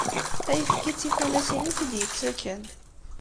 Ayefki d tifunasin i t-id-yettakken.